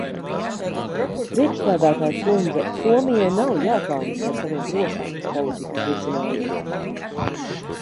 Priekšsēdētājas kundze, Somijai nav jākaunas par saviem drošības politikas risinājumiem.